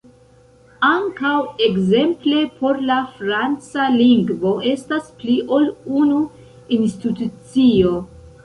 Ankaŭ ekzemple por la franca lingvo estas pli ol unu institucio.